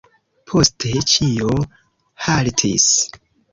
Poste ĉio haltis.